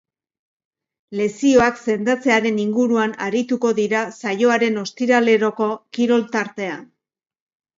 Lesioak sendatzearen inguruan arituko dira saioaren ostiraleroko kirol tartean.